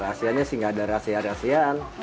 rahasianya sih gak ada rahasia rahasiaan